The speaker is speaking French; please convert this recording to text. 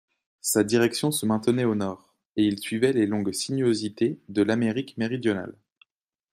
Sa direction se maintenait au nord, et il suivait les longues sinuosités de l'Amérique méridionale.